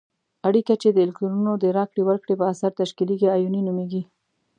اړیکه چې د الکترونونو د راکړې ورکړې په اثر تشکیلیږي آیوني نومیږي.